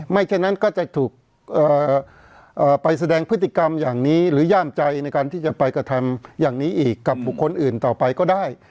ฉะนั้นก็จะถูกไปแสดงพฤติกรรมอย่างนี้หรือย่ามใจในการที่จะไปกระทำอย่างนี้อีกกับบุคคลอื่นต่อไปก็ได้